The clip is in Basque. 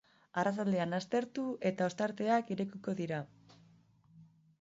Arratsaldean atertu eta ostarteak irekiko dira.